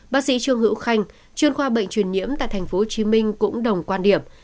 bác sĩ trương hữu khanh chuyên khoa bệnh truyền nhiễm tại tp hcm cũng đồng quan điểm